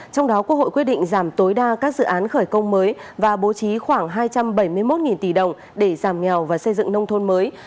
trong đó quốc hội quyết định giảm tối đa các dự án khởi công mới và bố trí khoảng hai trăm bảy mươi một tỷ đồng để giảm nghèo và xây dựng nông thôn mới